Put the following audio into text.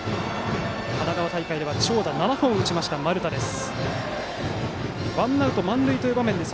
神奈川大会では長打を７本打ちました、丸田です。